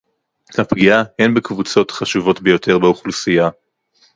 הפגיעה הן בקבוצות חשובות ביותר באוכלוסייה